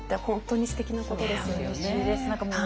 本当にすてきなことですよね。